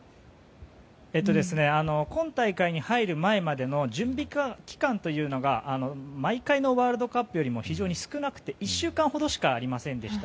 今大会に入る前までの準備期間というのが毎回のワールドカップよりも非常に少なくて１週間ほどしかありませんでした。